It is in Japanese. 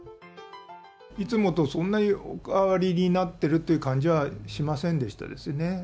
いつもとそんなにお変わりになってるという感じはしませんでしたですね。